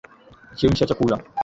Chemsha chakula.